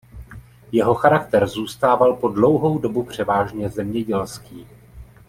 Jeho charakter zůstával po dlouhou dobu převážně zemědělský.